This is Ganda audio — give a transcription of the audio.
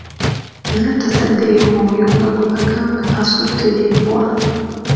Nga tataddeyo mwoyo nga gwe bagamba asottera embwa!